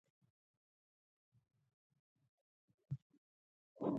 ده د ښار په محاصره کې برياليتوب ليد.